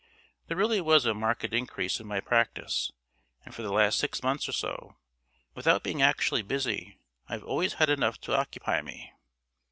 There really was a marked increase in my practice; and for the last six months or so, without being actually busy, I have always had enough to occupy me.